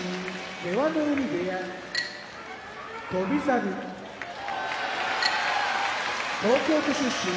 出羽海部屋翔猿東京都出身